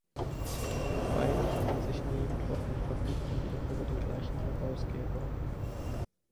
Beide hatten sich nie getroffen, verfügten jedoch über den gleichen Herausgeber.